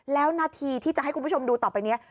แล้วนาทีที่จะให้คุณผู้ชมดูต่อไปนี้